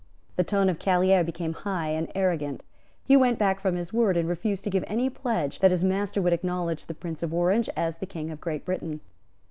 The tone of Callieres became high and arrogant; he went back from his word, and refused to give any pledge that his master would acknowledge the Prince of Orange as King of Great Britain.